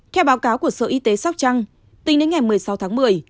theo báo cáo của sở y tế sóc trăng tính đến ngày một mươi sáu tháng một mươi